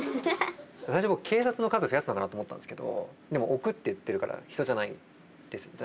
最初僕警察の数を増やすのかなと思ったんですけどでも「置く」って言ってるから人じゃないですよね。